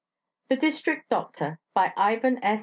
THE DISTRICT DOCTOR BY IVAN S.